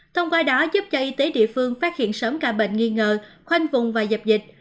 thông qua đó giúp cho y tế địa phương phát hiện sớm ca bệnh nghi ngờ khoanh vùng và dập dịch